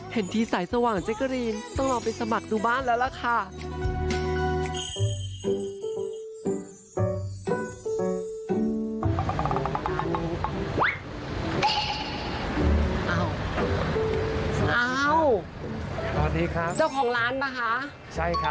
เห็นที่สายสว่างอย่างเจ๊กะรีนต้องลองไปสมัครสู่บ้านแล้วล่ะค่ะ